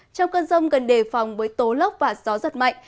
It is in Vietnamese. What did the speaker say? trong cơn rông cần đề phòng với tố lốc và gió giật mạnh